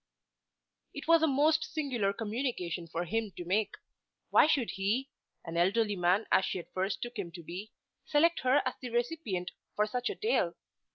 It was a most singular communication for him to make. Why should he, an elderly man as she at first took him to be, select her as the recipient for such a tale?